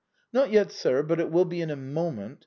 " Not yet, sir, but it will be in a moment.